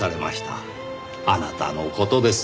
あなたの事です。